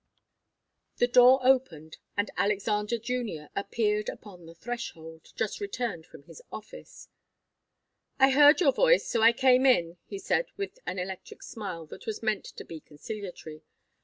The door opened and Alexander Junior appeared upon the threshold, just returned from his office. "I heard your voice, so I came in," he said, with an electric smile which was meant to be conciliatory.